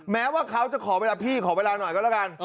แม้ว่าเขาจะขอเวลาพี่ขอเวลาหน่อยก็แล้วกัน